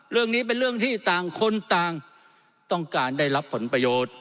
เรื่องนี้เป็นเรื่องที่ต่างคนต่างต้องการได้รับผลประโยชน์